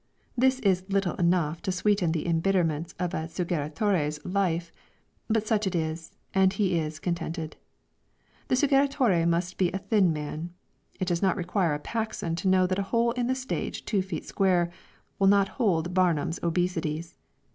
This is little enough to sweeten the embitterments of a suggeritore's life, but such it is, and he is contented. The suggeritore must be a thin man. It does not require a Paxton to know that a hole in the stage two feet square, will not hold Barnum's obesities.